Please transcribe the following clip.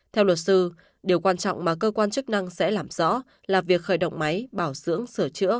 theo luật sư điều quan trọng mà cơ quan chức năng sẽ làm rõ là việc khởi động máy bảo dưỡng sửa chữa